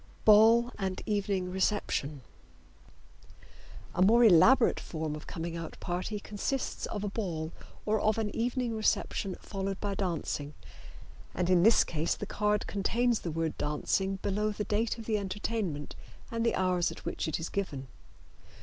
Ball and Evening Reception. A more elaborate form of coming out party consists of a ball or of an evening reception followed by dancing, and in this case the card contains the word "Dancing" below the date of the entertainment and the hours at which it is given.